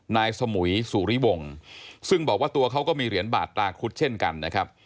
นายสมุยสุริวงศ์ซึ่งบอกว่าตัวเขาก็มีเหรียญบาทตาครุฑเช่นกันนะครับ